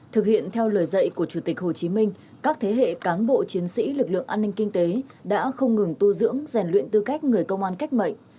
thực hiện theo lời dạy của chủ tịch hồ chí minh các thế hệ cán bộ chiến sĩ lực lượng an ninh kinh tế đã không ngừng tu dưỡng rèn luyện tư cách người công an cách mệnh